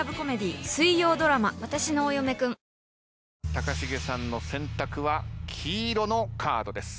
高重さんの選択は黄色のカードです。